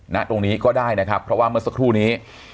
ณตรงนี้ก็ได้นะครับเพราะว่าเมื่อสักครู่นี้